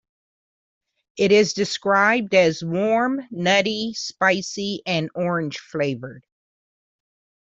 It is described as warm, nutty, spicy, and orange-flavoured.